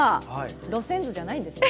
路線図じゃないんですね。